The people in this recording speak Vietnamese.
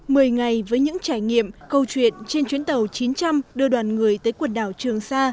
mười ngày với những trải nghiệm câu chuyện trên chuyến tàu chín trăm linh đưa đoàn người tới quần đảo trường sa